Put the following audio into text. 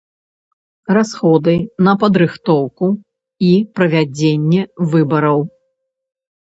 Расходы на падрыхтоўку і правядзенне выбараў.